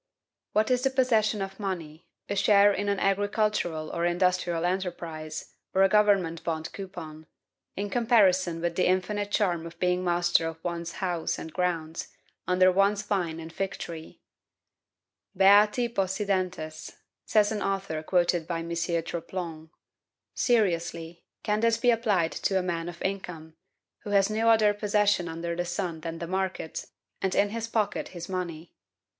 What is the possession of money, a share in an agricultural or industrial enterprise, or a government bond coupon, in comparison with the infinite charm of being master of one's house and grounds, under one's vine and fig tree? "Beati possidentes!" says an author quoted by M. Troplong. Seriously, can that be applied to a man of income, who has no other possession under the sun than the market, and in his pocket his money?